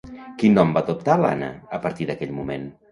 Quin nom va adoptar l'Anna, a partir d'aquell moment?